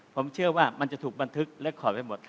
ผมเชื่อว่ามันจะถูกบันทึกและขอไปหมด